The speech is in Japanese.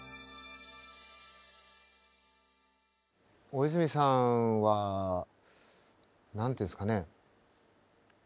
大泉さんは何ていうんですかね